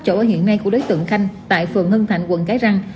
chỗ ở hiện nay của đối tượng khanh tại phường hưng thạnh quận cái răng